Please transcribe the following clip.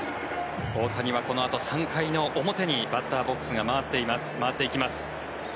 大谷はこのあと３回の表にバッターボックスが回っていきます。